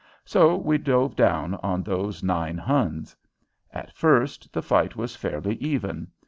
So we dove down on those nine Huns. At first the fight was fairly even.